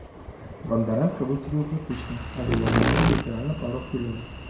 Бандарэнка выступіў крытычна, але яму далі літаральна пару хвілін.